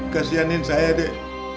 kasianin saya dek